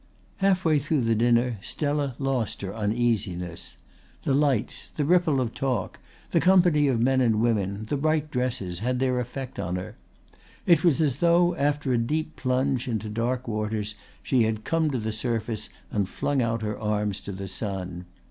Halfway through the dinner Stella lost her uneasiness. The lights, the ripple of talk, the company of men and women, the bright dresses had their effect on her. It was as though after a deep plunge into dark waters she had come to the surface and flung out her arms to the sun.